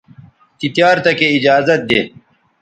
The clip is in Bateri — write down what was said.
تی تیار تکے ایجازت دے